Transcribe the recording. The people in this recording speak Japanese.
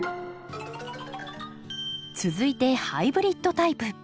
続いてハイブリッドタイプ。